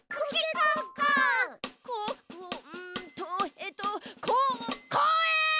こうんとえとここうえん！